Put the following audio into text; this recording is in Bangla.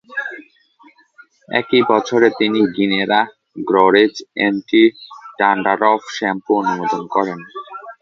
একই বছরে, তিনি গিনেরা গ্রোরিচ এন্টি-ডান্ডারফ শ্যাম্পু অনুমোদন করেন।